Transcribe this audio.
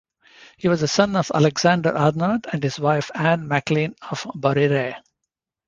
He was the son of Alexander Arnott and his wife, Ann MacLean of Borreray.